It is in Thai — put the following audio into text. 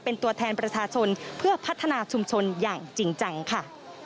เป็นตัวแทนประชาชนเพื่อพัฒนาชุมชนอย่างจริงจังค่ะ